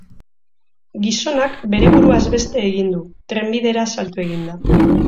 Gizonak bere buruaz beste egin du, trenbidera salto eginda.